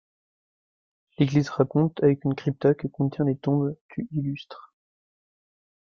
L'église raconte avec une cripta que contient des tombes tu illustres.